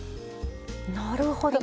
なるほど。